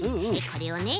これをね